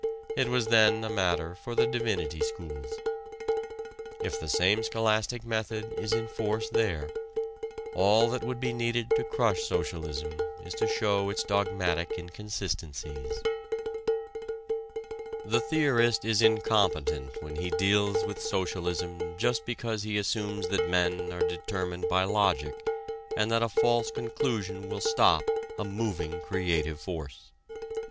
It was then a matter for the divinity schools. If the same scholastic method is in force there, all that would be needed to crush socialism is to show its dogmatic inconsistencies. The theorist is incompetent when he deals with socialism just because he assumes that men are determined by logic and that a false conclusion will stop a moving, creative force.